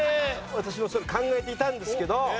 私もそれ考えていたんですけど。